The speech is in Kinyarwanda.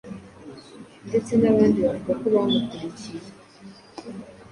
ndetse n’abandi bavuga ko bamukurikiye,